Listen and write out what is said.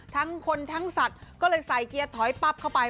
ทั้งคนทั้งสัตว์ก็เลยใส่เกียร์ถอยปั๊บเข้าไป